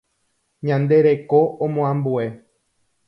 Ñande reko omoambue.